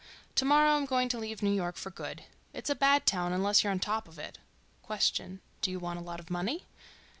To morrow I'm going to leave New York for good. It's a bad town unless you're on top of it. Q.—Do you want a lot of money?